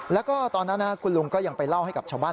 แล้วก็ตอนนั้นคุณลุงก็ยังไปเล่าให้กับชาวบ้าน